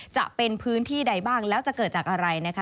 จะเป็นพื้นที่ใดบ้างแล้วจะเกิดจากอะไรนะคะ